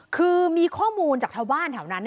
คือมีข้อมูลจากชาวบ้านแถวนั้น